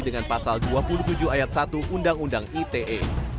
dengan pasal dua puluh tujuh ayat satu undang undang ite